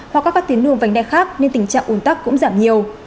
hoặc các tuyến đường vành đai khác nên tình trạng ủn tắc cũng giảm nhiều